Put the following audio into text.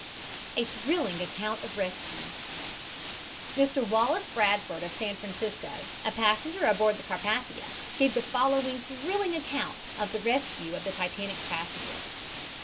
A THRILLING ACCOUNT OF RESCUE Mr. Wallace Bradford, of San Francisco, a passenger aboard the Carpathia, gave the following thrilling account of the rescue of the Titanic's passengers.